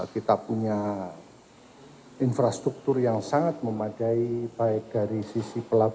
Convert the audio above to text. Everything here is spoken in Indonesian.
kita punya infrastruktur yang sangat memadai baik dari sisi pelabuhan